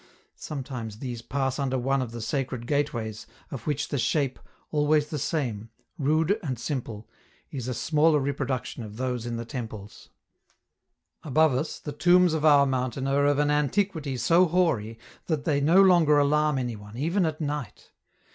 Sometimes these pass under one of the sacred gateways, of which the shape, always the same, rude and simple, is a smaller reproduction of those in the temples. Above us, the tombs of our mountain are of an antiquity so hoary that they no longer alarm any one, even at night.